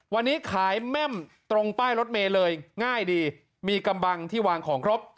วันนี้ขายแม่มตรงป้ายรถเมย์เลยง่ายดีมีกำบังที่วางของครบ